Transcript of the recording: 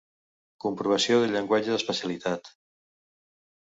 Comprovació del llenguatge d’especialitat.